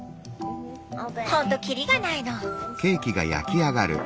ほんときりがないの。